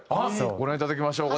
ご覧いただきましょう。